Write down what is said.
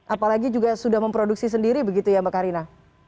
apalagi juga sudah memproduksi sendiri begitu ya mbak karina